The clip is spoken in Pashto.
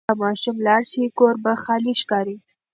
که ماشوم لاړ شي، کور به خالي ښکاري.